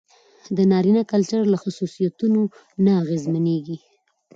د نارينه کلچر له خصوصيتونو نه اغېزمنېږي.